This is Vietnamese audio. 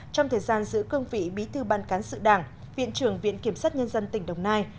trong thời gian giữ cương vị bí thư ban cán sự đảng viện trưởng viện kiểm sát nhân dân tỉnh đồng nai